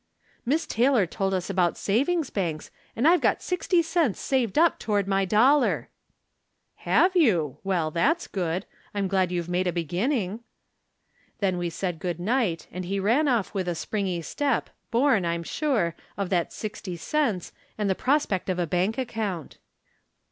"Miss Taylor told us about savings banks, and I've got sixty cents saved up toward my dollar !" "Have you? Well, that's good. I'm glad you've made a beginning." Tlien we said good nigbt, and he ran off with a springy step, born, I'm sure, of that sixty cents and the prospect of a bank account.